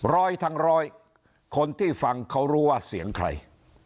ร้อยทั้งร้อยคนที่ฟังเขารู้ว่าเสียงใคร